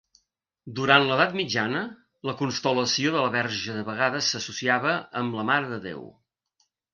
Durant l'edat mitjana, la constel·lació de la Verge de vegades s'associava amb la Mare de Déu.